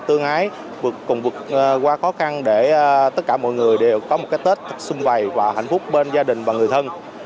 tương ái vượt cùng vượt qua khó khăn để tất cả mọi người đều có một cái tết xung vầy và hạnh phúc bên gia đình và người thân